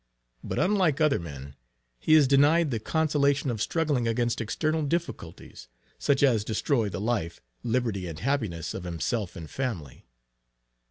But unlike other men, he is denied the consolation of struggling against external difficulties, such as destroy the life, liberty, and happiness of himself and family.